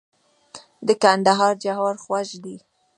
د کندهار جوار خوږ دي.